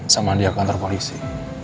sama dia kantor polisi